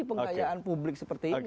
pengkayaan publik seperti ini